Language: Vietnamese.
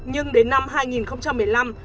nhưng đến năm hai nghìn một mươi năm